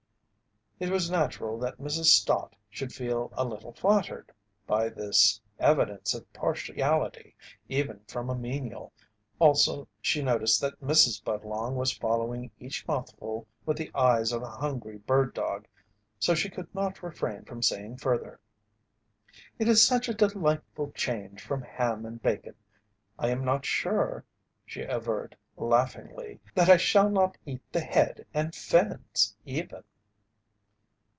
It was natural that Mrs. Stott should feel a little flattered by this evidence of partiality even from a menial, also she noticed that Mrs. Budlong was following each mouthful with the eyes of a hungry bird dog so she could not refrain from saying further: "It is such a delightful change from ham and bacon. I am not sure," she averred, laughingly, "that I shall not eat the head and fins, even."